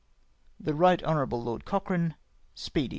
" The Right Hon. Lord Cochrane, " Speed)